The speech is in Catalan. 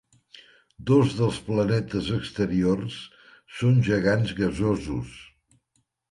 Dos dels planetes exteriors són gegants gasosos.